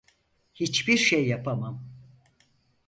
Hiçbir şey yapamam.